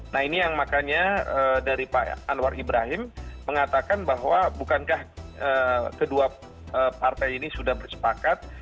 nah ini yang makanya dari pak anwar ibrahim mengatakan bahwa bukankah kedua partai ini sudah bersepakat